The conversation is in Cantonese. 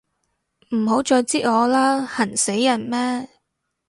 唔好再擳我啦，痕死人咩